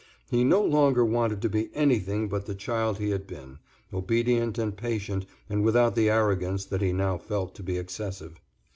He no longer wanted to be anything but the child he had been, obedient and patient and without the arrogance that he now felt to be excessive.